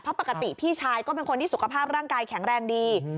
เพราะปกติพี่ชายก็เป็นคนที่สุขภาพร่างกายแข็งแรงดี